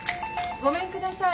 ごめんください。